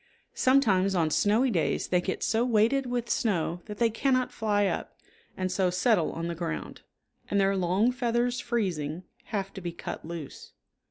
Sometimes on snowy days they get so weighted with snow that they cannot fly up, and so settle on the ground, and their long feathers freezing, have to be cut loose.